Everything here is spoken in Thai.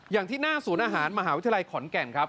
อย่างที่หน้าศูนย์อาหารมหาวิทยาลัยขอนแก่นครับ